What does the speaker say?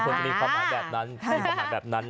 มันคิดว่ามีความหมายแบบนั้น